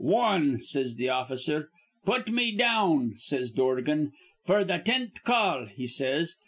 "Wan," says th' officer. "Put me down," says Dorgan, "f'r th' tenth call," he says.